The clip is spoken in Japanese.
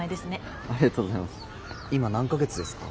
今何か月ですか？